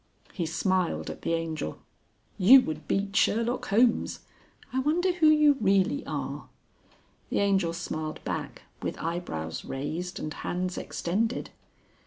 He smiled at the Angel. "You would beat Sherlock Holmes. I wonder who you really are." The Angel smiled back, with eyebrows raised and hands extended.